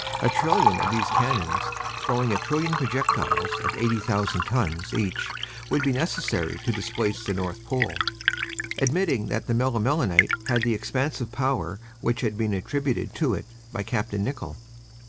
A trillion of these cannons throwing a trillion projectiles of 80,000 tons each would be necessary to displace the North Pole, admitting that the melimelonite had the expansive power which had been attributed to it by Capt. Nicholl.